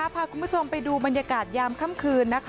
พาคุณผู้ชมไปดูบรรยากาศยามค่ำคืน